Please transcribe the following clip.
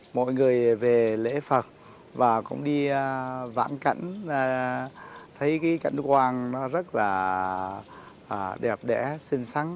mọi người về lễ phật và cũng đi vãng cảnh thấy cảnh quan rất là đẹp đẽ xinh xắn